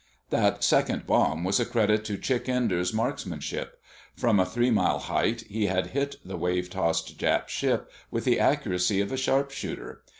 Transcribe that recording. That second bomb was a credit to Chick Enders' marksmanship. From a three mile height he had hit the wave tossed Jap ship with the accuracy of a sharpshooter.